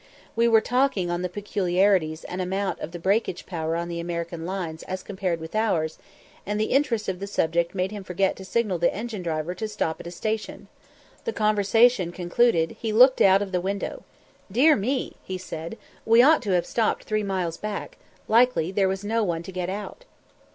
We were talking on the peculiarities and amount of the breakage power on the American lines as compared with ours, and the interest of the subject made him forget to signal the engine driver to stop at a station. The conversation concluded, he looked out of the window. "Dear me," he said, "we ought to have stopped three miles back; likely there was no one to get out!"